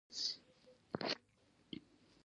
ځمکه د افغانستان د انرژۍ سکتور یوه ډېره مهمه برخه ده.